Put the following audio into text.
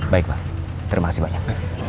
baik pak terima kasih banyak